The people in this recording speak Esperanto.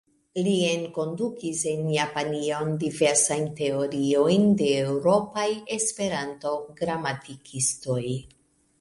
Li enkondukis en Japanion diversajn teoriojn de eŭropaj Esperanto-gramatikistoj.